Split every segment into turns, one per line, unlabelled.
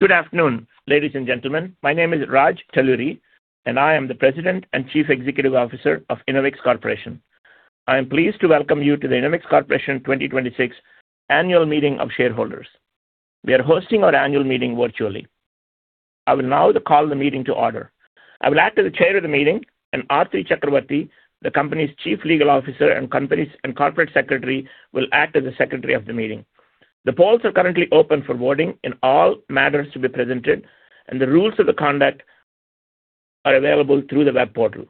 Good afternoon, ladies and gentlemen. My name is Raj Talluri, and I am the President and Chief Executive Officer of Enovix Corporation. I am pleased to welcome you to the Enovix Corporation 2026 Annual Meeting of Shareholders. We are hosting our annual meeting virtually. I will now call the meeting to order. I will act as the Chair of the meeting, and Arthi Chakravarthy, the company's Chief Legal Officer and Corporate Secretary, will act as the Secretary of the meeting. The polls are currently open for voting in all matters to be presented. The rules of the conduct are available through the web portal.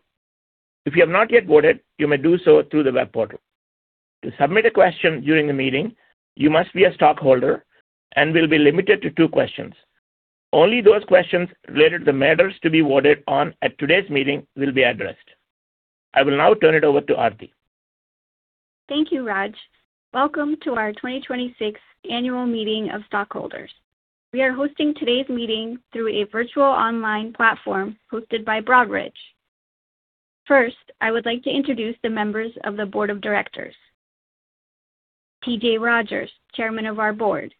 If you have not yet voted, you may do so through the web portal. To submit a question during the meeting, you must be a stockholder and will be limited to two questions. Only those questions related to matters to be voted on at today's meeting will be addressed. I will now turn it over to Arthi.
Thank you, Raj. Welcome to our 2026 Annual Meeting of Stockholders. We are hosting today's meeting through a virtual online platform hosted by Broadridge. First, I would like to introduce the members of the Board of Directors. TJ Rogers, Chairman of our Board,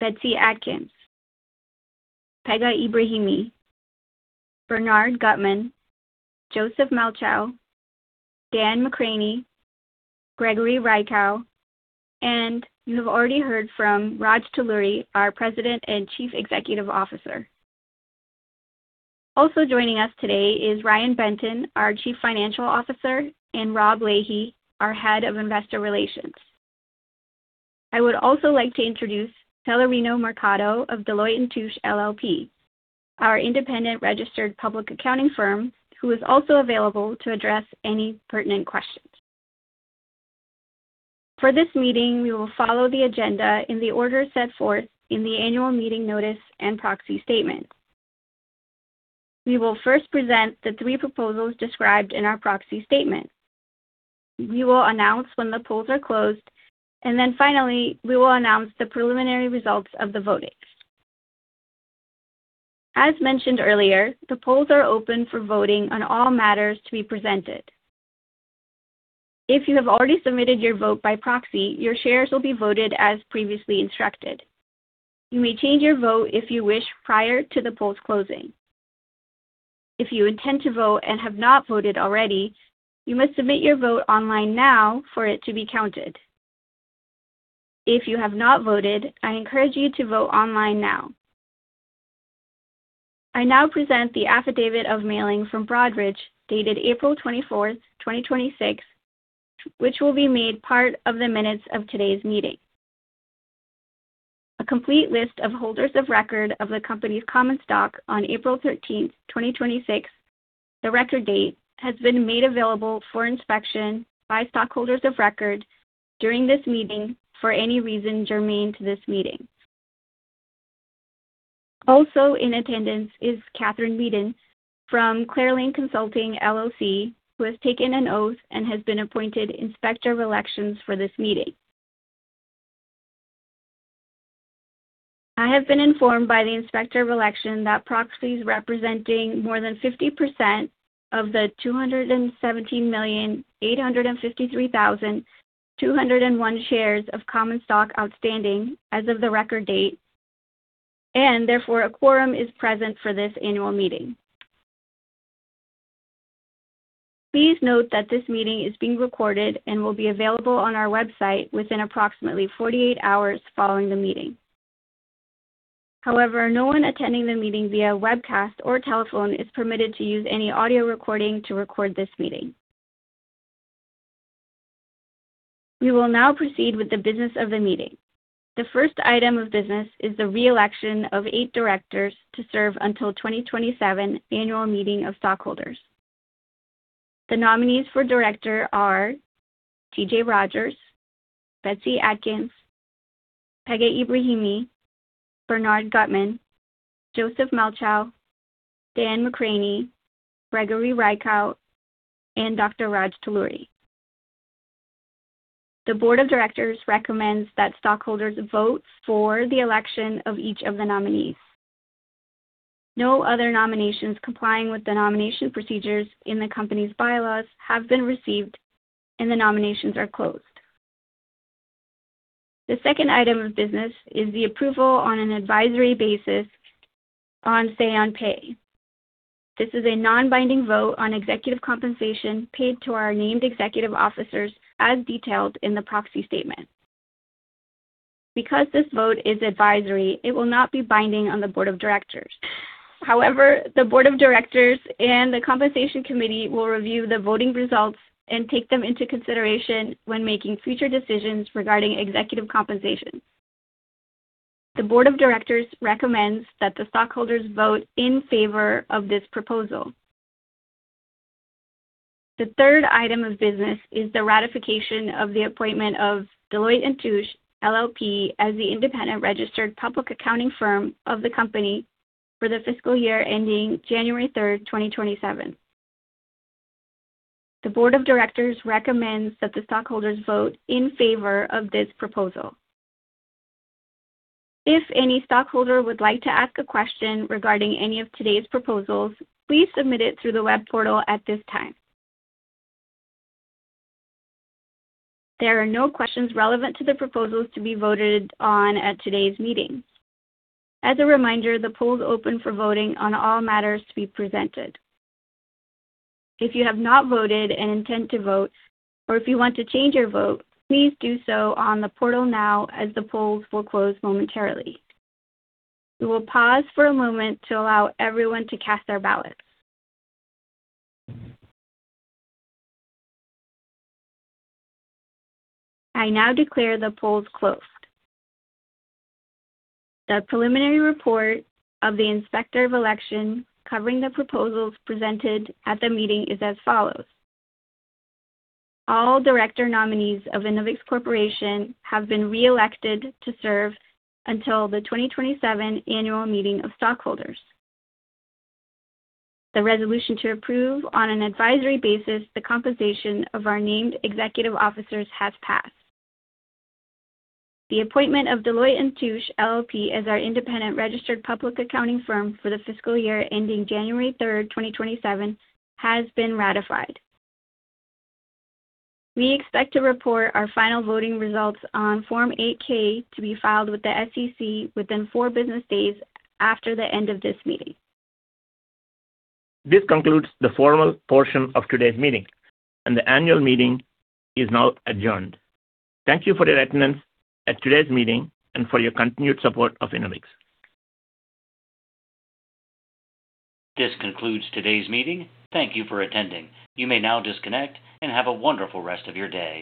Betsy Atkins, Pegah Ebrahimi, Bernard Gutmann, Joseph Malchow, Dan McCranie, Gregory Reichow, and you have already heard from Raj Talluri, our President and Chief Executive Officer. Also joining us today is Ryan Benton, our Chief Financial Officer, and Rob Lahey, our Head of Investor Relations. I would also like to introduce Celerino Mercado of Deloitte & Touche LLP, our independent registered public accounting firm, who is also available to address any pertinent questions. For this meeting, we will follow the agenda in the order set forth in the annual meeting notice and proxy statement. We will first present the three proposals described in our proxy statement. We will announce when the polls are closed. Finally, we will announce the preliminary results of the voting. As mentioned earlier, the polls are open for voting on all matters to be presented. If you have already submitted your vote by proxy, your shares will be voted as previously instructed. You may change your vote if you wish prior to the polls closing. If you intend to vote and have not voted already, you must submit your vote online now for it to be counted. If you have not voted, I encourage you to vote online now. I now present the affidavit of mailing from Broadridge, dated April 24th, 2026, which will be made part of the minutes of today's meeting. A complete list of holders of record of the company's common stock on April 13th, 2026, the record date, has been made available for inspection by stockholders of record during this meeting for any reason germane to this meeting. Also in attendance is Katherine Meaden from ClearLink Consulting, LLC, who has taken an oath and has been appointed Inspector of Elections for this meeting. I have been informed by the Inspector of Election that proxies representing more than 50% of the 217,853,201 shares of common stock outstanding as of the record date, and therefore, a quorum is present for this annual meeting. Please note that this meeting is being recorded and will be available on our website within approximately 48 hours following the meeting. No one attending the meeting via webcast or telephone is permitted to use any audio recording to record this meeting. We will now proceed with the business of the meeting. The first item of business is the re-election of eight directors to serve until 2027 Annual Meeting of Stockholders. The nominees for director are TJ Rodgers, Betsy Atkins, Pegah Ebrahimi, Bernard Gutmann, Joseph Malchow, Dan McCranie, Gregory Reichow, and Dr. Raj Talluri. The board of directors recommends that stockholders vote for the election of each of the nominees. No other nominations complying with the nomination procedures in the company's bylaws have been received, and the nominations are closed. The second item of business is the approval on an advisory basis on Say on Pay. This is a non-binding vote on executive compensation paid to our named executive officers as detailed in the proxy statement. Because this vote is advisory, it will not be binding on the board of directors. The board of directors and the compensation committee will review the voting results and take them into consideration when making future decisions regarding executive compensation. The board of directors recommends that the stockholders vote in favor of this proposal. The third item of business is the ratification of the appointment of Deloitte & Touche LLP, as the independent registered public accounting firm of the company for the fiscal year ending January 3rd, 2027. The board of directors recommends that the stockholders vote in favor of this proposal. If any stockholder would like to ask a question regarding any of today's proposals, please submit it through the web portal at this time. There are no questions relevant to the proposals to be voted on at today's meeting. As a reminder, the poll is open for voting on all matters to be presented. If you have not voted and intend to vote, or if you want to change your vote, please do so on the portal now, as the polls will close momentarily. We will pause for a moment to allow everyone to cast their ballot. I now declare the polls closed. The preliminary report of the Inspector of Election covering the proposals presented at the meeting is as follows. All director nominees of Enovix Corporation have been re-elected to serve until the 2027 Annual Meeting of Stockholders. The resolution to approve, on an advisory basis, the compensation of our named executive officers has passed. The appointment of Deloitte & Touche LLP, as our independent registered public accounting firm for the fiscal year ending January 3rd, 2027, has been ratified. We expect to report our final voting results on Form 8-K to be filed with the SEC within four business days after the end of this meeting.
This concludes the formal portion of today's meeting, and the annual meeting is now adjourned. Thank you for your attendance at today's meeting and for your continued support of Enovix.
This concludes today's meeting. Thank you for attending. You may now disconnect and have a wonderful rest of your day.